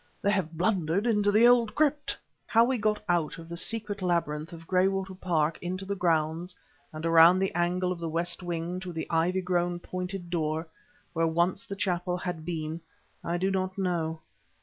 "They have blundered into the old crypt!" How we got out of the secret labyrinth of Graywater Park into the grounds and around the angle of the west wing to the ivy grown, pointed door, where once the chapel had bee, I do not know.